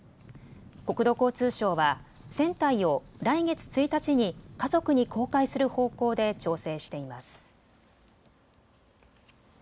国土交通省は船体を来月１日に家族に公開する方向で調整しています。